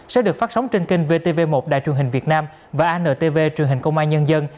sẽ được phát sóng trên kênh vtv một đài truyền hình việt nam và antv truyền hình công an nhân dân